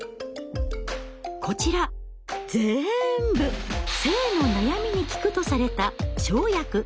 こちらぜんぶ性の悩みに効くとされた「生薬」。